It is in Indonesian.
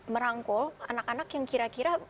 merangkul anak anak yang kira kira